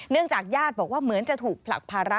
จากญาติบอกว่าเหมือนจะถูกผลักภาระ